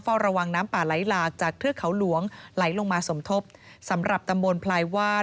เฝ้าระวังน้ำป่าไหลหลากจากเทือกเขาหลวงไหลลงมาสมทบสำหรับตำบลพลายวาด